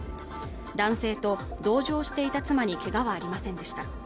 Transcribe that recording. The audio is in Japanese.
男性と同乗していた妻にけがはありませんでした